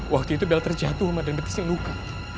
waktu itu bella terjatuh ma dan betisnya luka